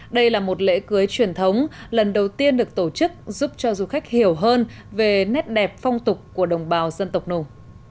đây là một lễ cưới truyền thống lần đầu tiên được tổ chức giúp cho du khách hiểu hơn về nét đẹp phong tục của đồng bào dân tộc nùng